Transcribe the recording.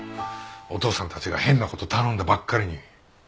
お父さんたちが変なこと頼んだばっかりに。